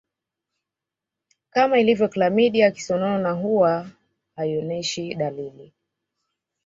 Kama ilivyo klamidia kisonono nayo huwa haionyeshi dalili